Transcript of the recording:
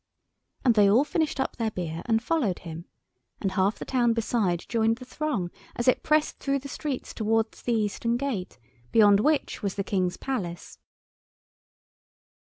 And they all finished up their beer and followed him, and half the town beside joined the throng as it pressed through the streets towards the Eastern gate, beyond which was the King's Palace.